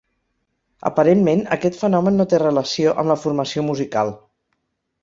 Aparentment, aquest fenomen no té relació amb la formació musical.